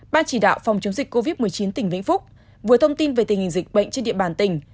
ban chỉ đạo phòng chống dịch covid một mươi chín tỉnh vĩnh phúc vừa thông tin về tình hình dịch bệnh trên địa bàn tỉnh